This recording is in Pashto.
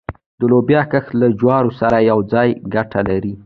د لوبیا کښت له جوارو سره یوځای ګټه لري؟